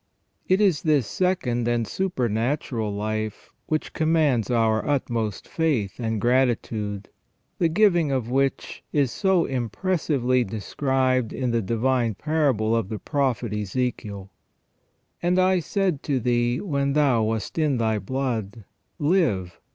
It is this second and supernatural life which commands our utmost faith and gratitude, the giving of which is so impressively described in the divine parable of the Prophet Ezechiel :" And I said to thee when thou wast in thy blood : Live.